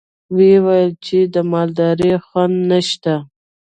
ويې ويل چې د مالدارۍ خونده نشته.